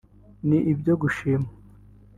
ni ibyo gushimwa